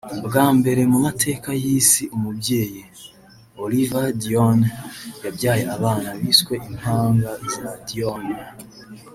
bwa mbere mu mateka y’isi umubyeyi (Oliva Dionne) yabyaye abana biswe impanga za Dionne